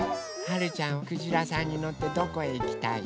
はるちゃんはくじらさんにのってどこへいきたい？